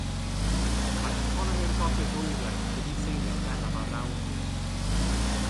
Mae economi'r Gogledd Ddwyrain wedi'i seilio'n bennaf ar rawnwin.